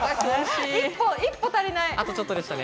一歩足りない。